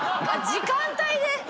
時間帯で！